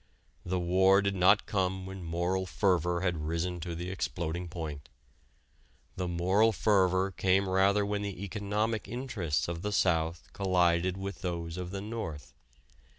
The war did not come when moral fervor had risen to the exploding point; the moral fervor came rather when the economic interests of the South collided with those of the North.